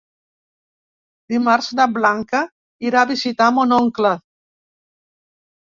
Dimarts na Blanca irà a visitar mon oncle.